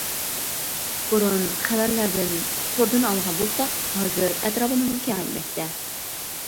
بۇرۇن خەۋەرلەردىن توردىن ئاڭلىغان بولساق، ھازىر ئەتراپىمىزغا كېڭەيمەكتە.